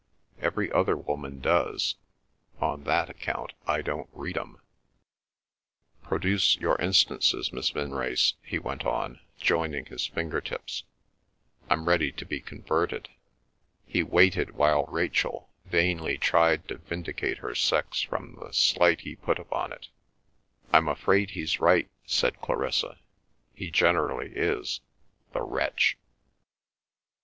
Every other woman does; on that account, I don't read 'em." "Produce your instances, Miss Vinrace," he went on, joining his finger tips. "I'm ready to be converted." He waited, while Rachel vainly tried to vindicate her sex from the slight he put upon it. "I'm afraid he's right," said Clarissa. "He generally is—the wretch!"